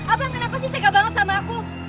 abang kenapa sih tega banget sama aku